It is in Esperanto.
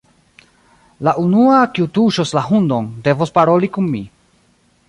La unua, kiu tuŝos la hundon, devos paroli kun mi.